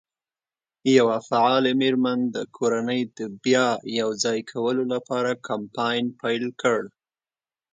یوه فعالې مېرمن د کورنۍ د بیا یو ځای کولو لپاره کمپاین پیل کړ.